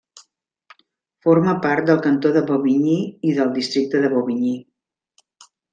Forma part del cantó de Bobigny i del districte de Bobigny.